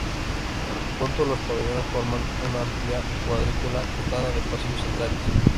Juntos, los pabellones forman una amplia cuadrícula dotada de pasillos centrales.